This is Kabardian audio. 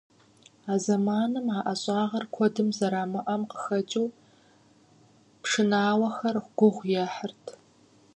А зэманым а ӀэщӀагъэр куэдым зэрамыӀэм къыхэкӀыу, пшынауэхэр гугъу ехьырт.